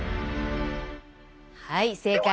はい正解。